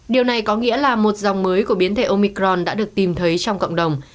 điều này có nghĩa là một dòng mới của biến thể omicron đã được tìm thấy trong cộng đồng